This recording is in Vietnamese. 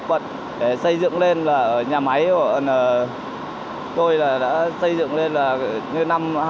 vào đây làm việc tôi đã làm việc tám năm